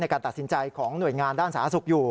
การตัดสินใจของหน่วยงานด้านสาธารณสุขอยู่